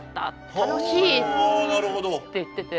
「楽しい」って言ってて。